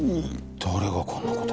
誰がこんなこと。